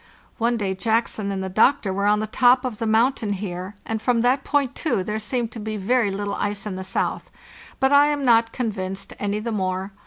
One day Jackson and the doctor were on the top of the mountain here, and from that point, too, there seemed to be very little ice in the south; but I am not convinced any the more.